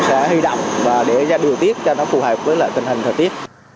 sẽ hư động và đưa ra điều tiết cho phù hợp với tình hình thời tiết